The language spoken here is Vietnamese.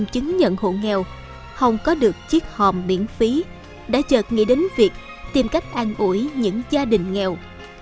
chứng nhận hộ nghèo không có được chiếc hòm miễn phí đã chợt nghĩ đến việc tìm cách ăn ủi những gia đình nghèo